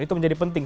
itu menjadi penting